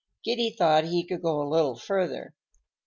Giddy thought he could go a little further.